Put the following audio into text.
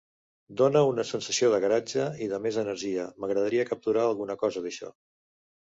Dóna una sensació de garatge i de més energia, m'agradaria capturar alguna cosa d'això.